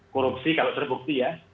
korupsi kalau terbukti ya